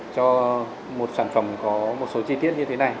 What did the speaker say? cho một sản phẩm có một số chi tiết như thế này